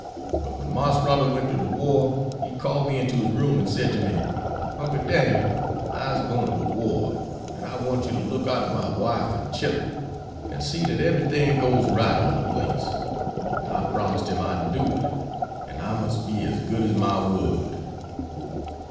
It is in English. But when Marse Robert went to de war, he called me into his room and said to me, 'Uncle Dan'el, I'se gwine to de war, an' I want you to look arter my wife an' chillen, an' see dat eberything goes right on de place'. An' I promised him I'd do it, an' I mus' be as good as my word.